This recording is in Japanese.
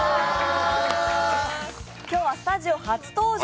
今日はスタジオ初登場。